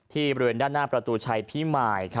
บริเวณด้านหน้าประตูชัยพิมาย